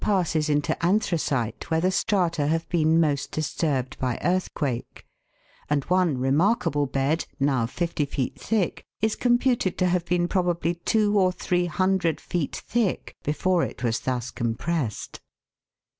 passes into anthracite where the strata have been most disturbed by earthquake; and one remarkable bed, now fifty feet thick, is computed to have been probably two or three hundred feet thick before it was thus compressed.